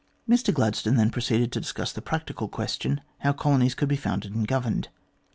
Mr Gladstone then proceeded to discuss the practical question how colonies should be founded and governed.